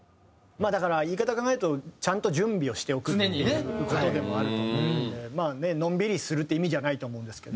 だから言い方考えるとちゃんと準備をしておくという事でもあると思うんでまあねのんびりするって意味じゃないと思うんですけど。